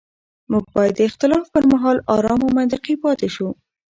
موږ باید د اختلاف پر مهال ارام او منطقي پاتې شو